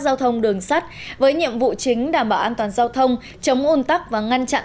giao thông đường sắt với nhiệm vụ chính đảm bảo an toàn giao thông chống ồn tắc và ngăn chặn